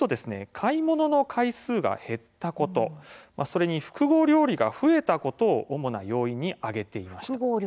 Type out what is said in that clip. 買い物の回数が減ったことそれに複合料理が増えたことを主な要因に挙げていました。